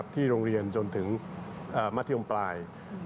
ที่โรงเรียนจนถึงมัธยมปลาย